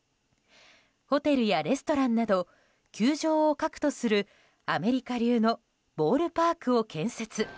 ホテルやレストランなど球場を核とするアメリカ流のボールパークを建設。